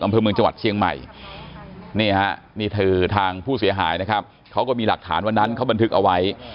อำเภอเมืองจังหวัดเชียงใหม่นี่ฮะนี่คือทางผู้เสียหายนะครับเขาก็มีหลักฐานวันนั้นเขาบันทึกเอาไว้